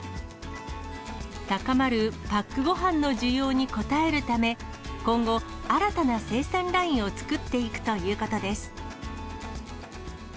高まるパックごはんの需要に応えるため、今後、新たな生産ラインを作っていくということです。